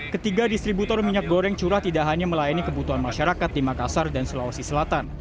ketiga distributor minyak goreng curah tidak hanya melayani kebutuhan masyarakat di makassar dan sulawesi selatan